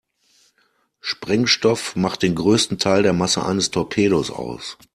Sprengstoff macht den größten Teil der Masse eines Torpedos aus.